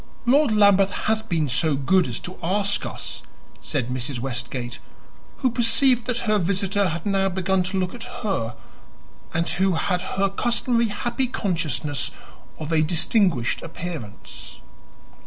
"Lord Lambeth has been so good as to ask us," said Mrs. Westgate, who perceived that her visitor had now begun to look at her, and who had her customary happy consciousness of a distinguished appearance.